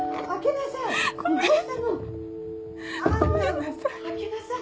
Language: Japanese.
もう開けなさい！